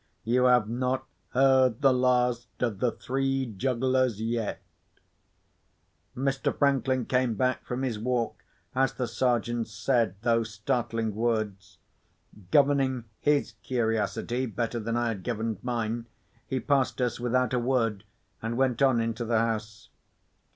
You have not heard the last of the three jugglers yet." Mr. Franklin came back from his walk as the Sergeant said those startling words. Governing his curiosity better than I had governed mine, he passed us without a word, and went on into the house.